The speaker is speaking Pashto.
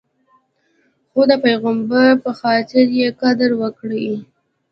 خو د پیغمبر په خاطر یې قدر وکړئ.